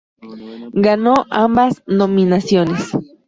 Ganó ambas nominaciones.